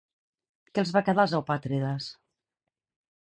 Què els va quedar als eupàtrides?